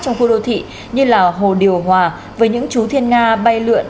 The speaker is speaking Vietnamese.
trong khu đô thị như là hồ điều hòa với những chú thiên nga bay lượn